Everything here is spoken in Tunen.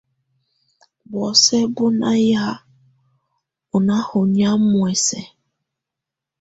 Buosɛ́ bú na yáá ú ná hɔnyɔ̀á muɛsɛ.